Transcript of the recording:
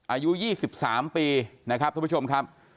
อายุ๒๓ปีนะครับทุกผู้ชมครับ